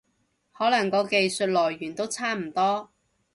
可能個技術來源都差唔多